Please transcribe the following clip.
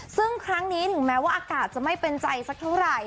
ซึ่งครั้งนี้ถึงแม้ว่าอากาศจะไม่เป็นใจสักเท่าไหร่